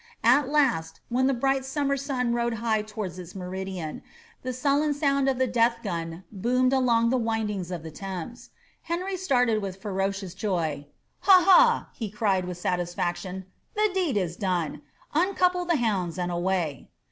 ^ At last, when the bright summer sun rode high towards its OKridiaD, the sullen sound of the death gun boomed along the windings of the Thames. Henry started with ferocious joy. ^ Ha, ha!" he crieid vith satis&ction, ^ the deed is done ! Uncouple the hounds and away."